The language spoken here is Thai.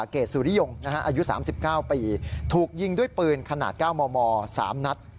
สุริยงอายุ๓๙ปีถูกยิงด้วยปืนขนาด๙มม๓นัด